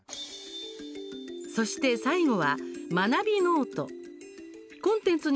そして、最後は「まなびノート」。